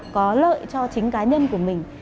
có lợi cho chính cá nhân của mình